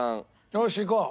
よしいこう。